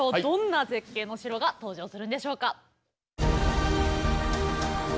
どんな絶景の城が登場するんでしょうか。